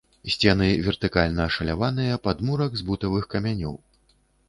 Сцены вертыкальна ашаляваныя, падмурак з бутавых камянёў.